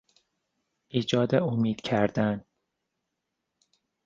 ایجاد امید کردن